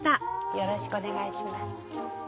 よろしくお願いします。